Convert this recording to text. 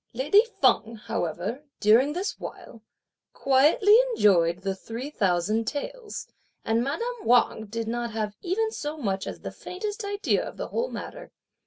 Lady Feng, however, during this while, quietly enjoyed the three thousand taels, and madame Wang did not have even so much as the faintest idea of the whole matter.